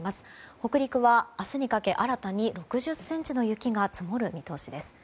北陸は明日にかけ新たに６０ｃｍの雪が積もる見通しです。